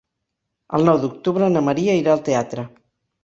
El nou d'octubre na Maria irà al teatre.